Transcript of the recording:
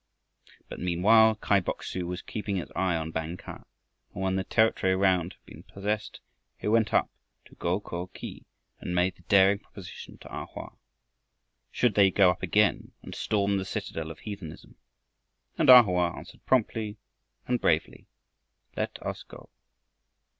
But meanwhile Kai Bok su was keeping his eye on Bang kah, and when the territory around had been possessed, he went up to Go ko khi and made the daring proposition to A Hoa. Should they go up again and storm the citadel of heathenism? And A Hoa answered promptly and bravely, "Let us go."